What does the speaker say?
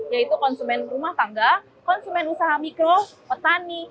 yaitu konsumen rumah tangga konsumen usaha mikro petani